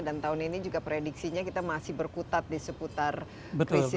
dan tahun ini juga prediksinya kita masih berkutat di seputar krisis itu